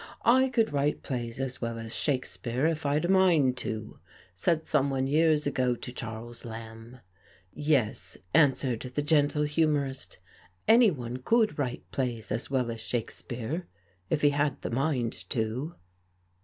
"I could write plays as well as Shakespeare if I'd a mind to," said someone years ago to Charles Lamb. "Yes," answered the gentle humorist, "anyone could write plays as well as Shakespeare if he had the mind to."